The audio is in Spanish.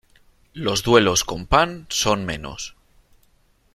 Los duelos con pan son menos.